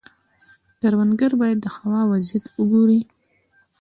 کروندګر باید د هوا وضعیت وګوري.